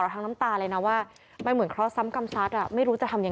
ผมเสียงก็ได้